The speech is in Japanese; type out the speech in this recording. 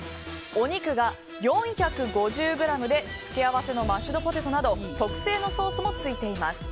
お肉が４５０ｇで、付け合わせのマッシュドポテトなど特製のソースもついています。